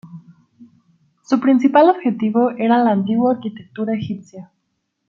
Su principal objetivo era la antigua arquitectura egipcia.